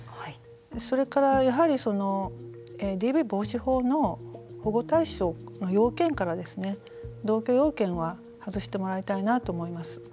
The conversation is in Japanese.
それから、やはりＤＶ防止法の保護対象の要件から同居要件は外してもらいたいなと思います。